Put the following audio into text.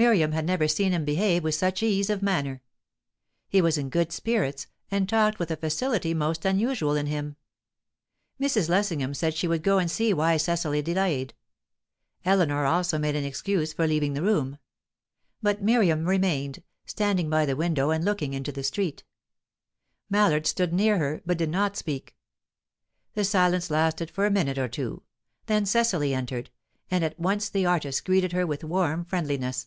Miriam had never seen him behave with such ease of manner. He was in good spirits, and talked with a facility most unusual in him. Mrs. Lessingham said she would go and see why Cecily delayed; Eleanor also made an excuse for leaving the room. But Miriam remained, standing by the window and looking into the street; Mallard stood near her, but did not speak. The silence lasted for a minute or two; then Cecily entered, and at once the artist greeted her with warm friendliness.